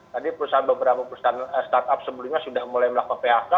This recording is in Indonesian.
tadi beberapa perusahaan startup sebelumnya sudah mulai melakukan phk